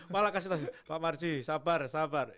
malah kasih tahu pak marji sabar sabar